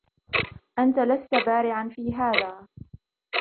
أنت لست بارعًا في هذا